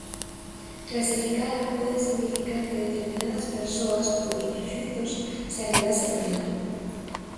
Clasificala pode significar que determinadas persoas, polos prexuízos, se arredasen dela.